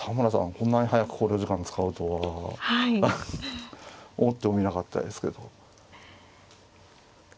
こんなに早く考慮時間使うとは思ってもみなかったですけど。